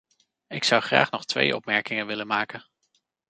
Ik zou graag nog twee opmerkingen willen maken.